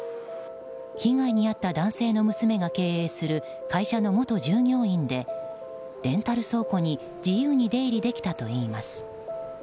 被害に遭った男性の娘が経営する会社の元従業員でレンタル倉庫に自由に出入りできたといいます。